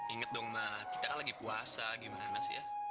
inget dong mah kita kan lagi puasa gimana sih ya